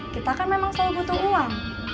kita kan memang saya butuh uang